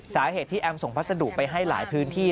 สาเหตุที่แอมส่งพัสดุไปให้หลายพื้นที่